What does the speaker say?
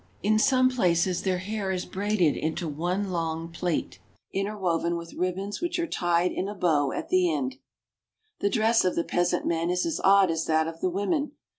In some places their hair is braided into one long plait interwoven with ribbons which are tied in a bow at the end. The dress of the peasant men is as odd as that of the women.